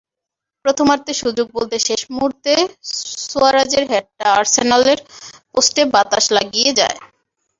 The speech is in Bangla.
প্রথমার্ধে সুযোগ বলতে শেষ মুহূর্তে সুয়ারেজের হেডটা আর্সেনালের পোস্টে বাতাস লাগিয়ে যায়।